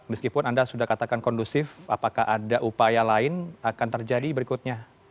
meskipun anda sudah katakan kondusif apakah ada upaya lain akan terjadi berikutnya